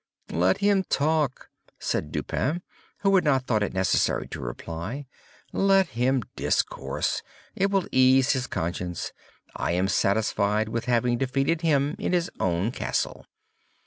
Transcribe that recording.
"Let him talk," said Dupin, who had not thought it necessary to reply. "Let him discourse; it will ease his conscience, I am satisfied with having defeated him in his own castle.